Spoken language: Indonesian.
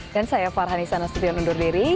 dan saya farhan isana setia undur diri